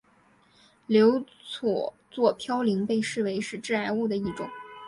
硫唑嘌呤被视为是致癌物的一种。